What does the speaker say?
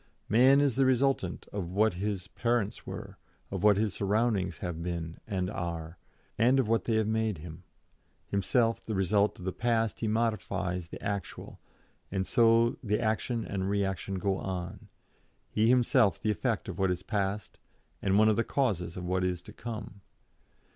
Man is the resultant of what his parents were, of what his surroundings have been and are, and of what they have made him; himself the result of the past he modifies the actual, and so the action and reaction go on, he himself the effect of what is past, and one of the causes of what is to come.